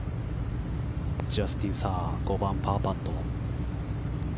ジャスティン・サー５番、パーパット。